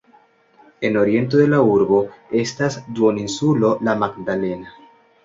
En oriento de la urbo estas duoninsulo La Magdalena.